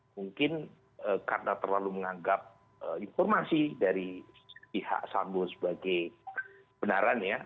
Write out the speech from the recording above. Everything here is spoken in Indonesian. mungkin karena terlalu menganggap informasi dari pihak sambo sebagai benaran ya